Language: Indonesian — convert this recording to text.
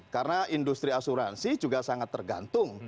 karena industri asuransi juga sangat tergantung